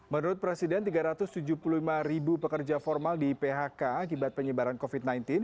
menurut presiden tiga ratus tujuh puluh lima ribu pekerja formal di phk akibat penyebaran covid sembilan belas